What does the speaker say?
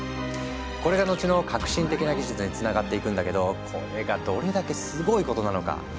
これがのちの革新的な技術につながっていくんだけどこれがどれだけすごいことなのか。